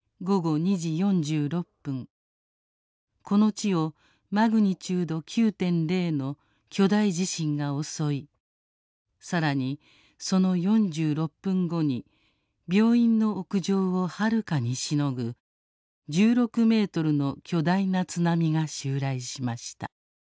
この地をマグニチュード九．〇の巨大地震が襲いさらにその四十六分後に病院の屋上をはるかにしのぐ十六メートルの巨大な津波が襲来しました」。